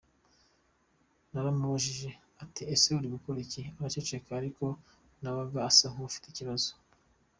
Naramubajije nti ese uri gukora ibiki? Araceceka ariko nabonaga asa n’ufite ikibazo.